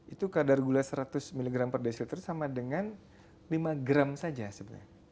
itu kadar gula seratus mg per desiliter sama dengan lima gram saja sebenarnya